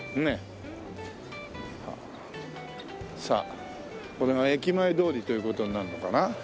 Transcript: さあこれが駅前通りという事になるのかな？